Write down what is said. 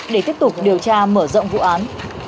để tiếp tục điều tra mở rộng vụ án